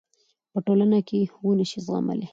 پـه ټـولـنـه کـې ونشـي زغـملـى .